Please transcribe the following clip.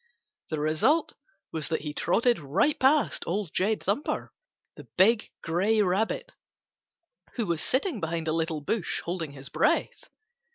The result was that he trotted right past Old Jed Thumper, the big gray Rabbit, who was sitting behind a little bush holding his breath.